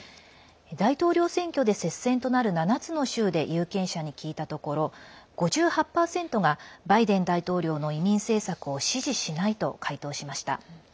大統領選挙で接戦となる７つの州で有権者に聞いたところ５８％がバイデン大統領の移民政策を支持しないと回答しました。